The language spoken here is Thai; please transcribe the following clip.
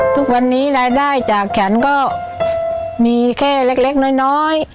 ทุกวันนี้รายได้จากฉันก็มีแค่เล็กน้อย